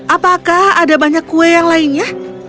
apakah ada banyak kue yang lainnya